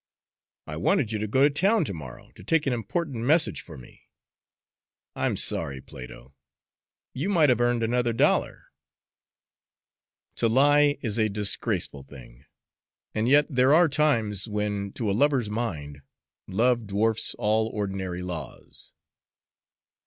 I wanted you to go to town to morrow to take an important message for me. I'm sorry, Plato you might have earned another dollar." To lie is a disgraceful thing, and yet there are times when, to a lover's mind, love dwarfs all ordinary laws.